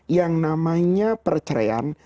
yang namanya perceraian